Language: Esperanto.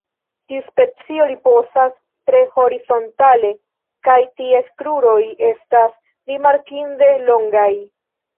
Tiu specio ripozas tre horizontale, kaj ties kruroj estas rimarkinde longaj.